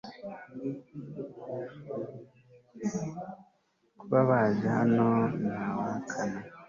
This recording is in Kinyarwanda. Kuba baje hano ntawahakana